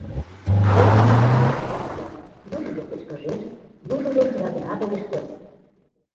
Корно мучко марий-влак кият: южыжо кечкыжеш, южыжо шӱлалтенат огеш керт.